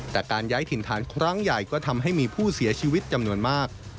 แต่การย้ายถิ่นฐานครั้งใหญ่ก็ทำให้มีผู้เสียชีวิตจำนวนมาก